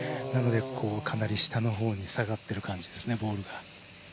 かなり下のほうに下がっている感じですね、ボールが。